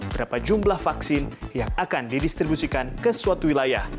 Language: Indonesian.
berapa jumlah vaksin yang akan didistribusikan ke suatu wilayah